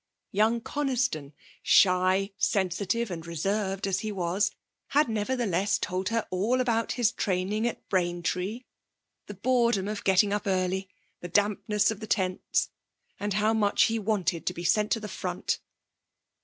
Young Coniston, shy, sensitive and reserved as he was, had nevertheless told her all about his training at Braintree, the boredom of getting up early, the dampness of the tents, and how much he wanted to be sent to the front.